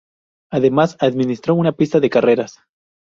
Además, administró una pista de carreras.